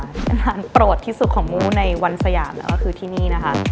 อาหารโปรดที่สุดของมู้ในวันสยามแล้วก็คือที่นี่นะคะ